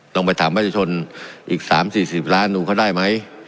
ลองไปถามประชาชนอีก๓๔๐ล้านดูเขาได้ไหม